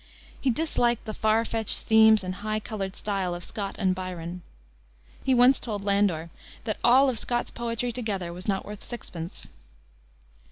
He disliked the far fetched themes and high colored style of Scott and Byron. He once told Landor that all of Scott's poetry together was not worth sixpence.